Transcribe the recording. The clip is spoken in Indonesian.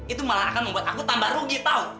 itu malah akan membuat aku tambah rugi tahu